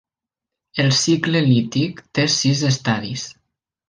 El cicle lític té sis estadis.